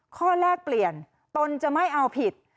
แลกเปลี่ยนตนจะไม่เอาผิด